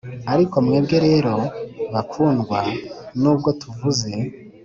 Ariko mwebwe rero bakundwa nubwo tuvuze